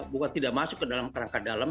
bukan tidak masuk ke dalam kerangka dalam